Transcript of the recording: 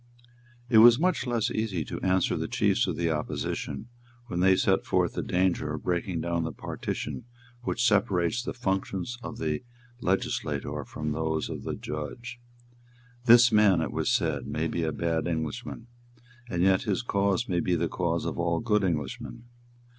It was much less easy to answer the chiefs of the opposition when they set forth the danger of breaking down the partition which separates the functions of the legislator from those of the judge. "This man," it was said, "may be a bad Englishman; and yet his cause may be the cause of all good Englishmen.